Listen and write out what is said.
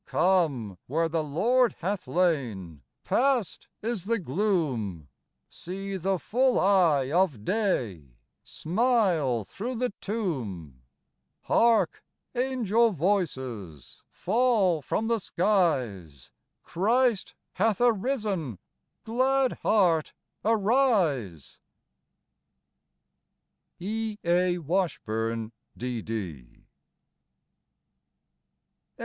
Come where the Lord hath lain : Past is the gloom ; See the full eye of day Smile through the tomb. Hark ! angel voices Fall from the skies ; Christ hath arisen ! Glad heart, arise ! E. A. Washburn, D.D.